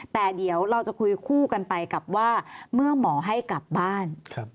แต่เดี๋ยวเราจะคุยคู่กันไปกับว่าเมื่อหมอให้กลับบ้าน